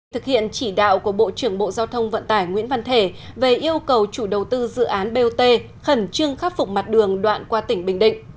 thực hiện chỉ đạo của bộ trưởng bộ giao thông vận tải nguyễn văn thể về yêu cầu chủ đầu tư dự án bot khẩn trương khắc phục mặt đường đoạn qua tỉnh bình định